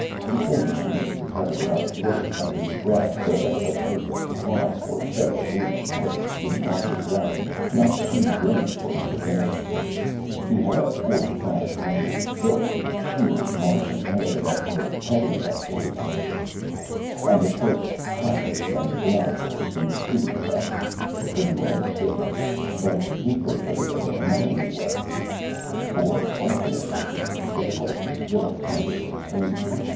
The same unit recovered enough water from his breath so that the weight of supplies for several days was, in Martian gravity, not too great for him to bear. He had a .45 rifle built to shoot in Martian air, that was heavy enough for his purposes. And, of course, compass and binoculars and sleeping bag. Pretty light equipment, but he preferred a minimum anyway. For ultimate emergencies there was the little tank of suspensine.